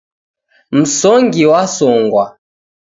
Msongi wasongwa.